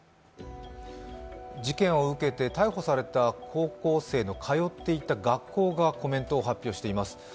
事件を受けて逮捕された高校生の通っていた学校がコメントを発表しています。